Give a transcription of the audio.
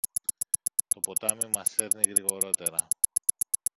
Το ποτάμι μας σέρνει γρηγορώτερα.